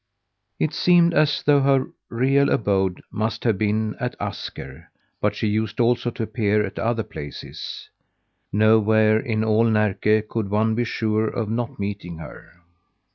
It seemed as though her real abode must have been at Asker; but she used also to appear at other places. Nowhere in all Närke could one be sure of not meeting her.